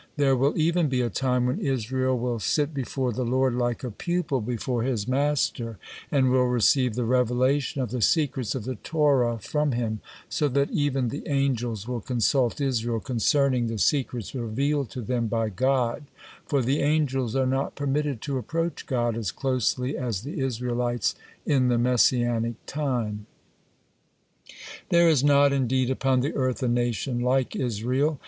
There will even be a time when Israel will sit before the Lord like a pupil before his master, and will receive the revelation of the secrets of the Torah from him, so that even the angels will consult Israel concerning the secrets revealed to them by God, for the angels are not permitted to approach God as closely as the Israelites in the Messianic time. "There is not indeed upon the earth a nation like Israel.